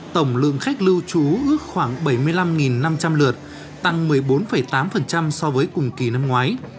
tổng lượng khách lưu trú ước khoảng bảy mươi năm năm trăm linh lượt tăng một mươi bốn tám so với cùng kỳ năm ngoái